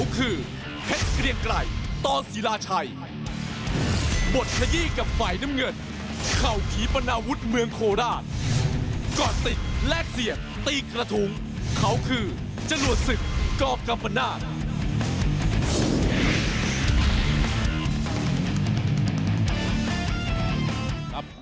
คือจังหวัดศึกกอล์ฟกัมปะนาฬ